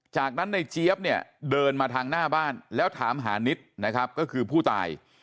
จากนั้นในเจี๊ยบเนี่ยเดินมาทางหน้าบ้านแล้วถามหานิดนะครับก็คือผู้ตาย